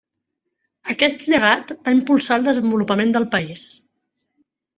Aquest llegat va impulsar el desenvolupament del país.